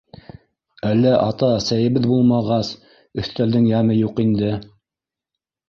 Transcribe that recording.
Әллә ата-әсәйебеҙ булмағас, өҫтәлдең йәме юҡ инде.